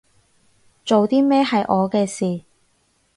做啲咩係我嘅事